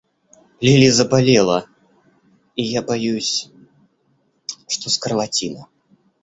Лили заболела, и я боюсь, что скарлатина.